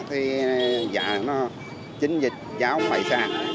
thì dạng nó chính dịch giá không hải sản